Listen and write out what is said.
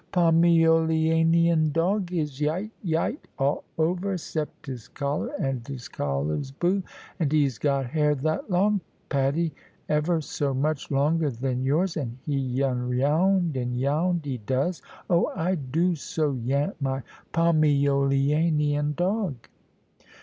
"Pomyoleanian dog is yite, yite all over 'sept his collar, and his collar's boo. And he's got hair that long, Patty, ever so much longer than yours. And he yun yound and yound, he does. Oh, I do so yant my Pomyoleanian dog!"